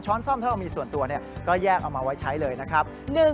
ซ่อมถ้าเรามีส่วนตัวก็แยกเอามาไว้ใช้เลยนะครับ